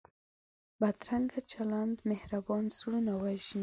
بدرنګه چلند مهربان زړونه وژني